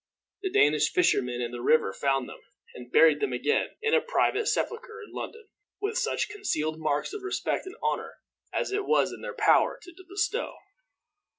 The Danish fishermen in the river found them, and buried them again in a private sepulcher in London, with such concealed marks of respect and honor as it was in their power to bestow.